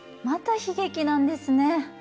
また悲劇なんですね。